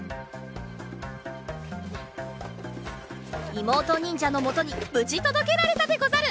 いもうとにんじゃのもとにぶじとどけられたでござる！